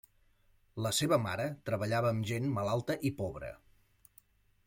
La seva mare treballava amb gent malalta i pobre.